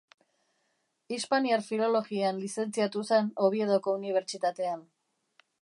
Hispaniar Filologian lizentziatu zen Oviedoko Unibertsitatean.